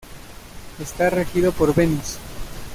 Está regido por Venus.